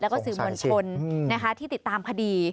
แล้วก็สื่อมวลชนที่ติดตามคดี